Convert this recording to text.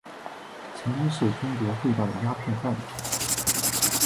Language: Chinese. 曾经是中国最大的鸦片贩子。